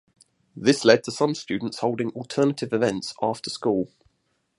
This led to some students holding alternative events after school.